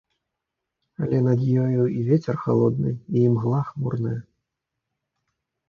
Але над ёю і вецер халодны, і імгла хмурная.